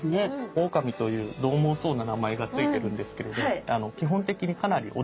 オオカミというどう猛そうな名前が付いてるんですけれどああそうなんですね。